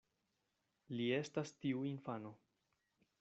Li estas tiu infano.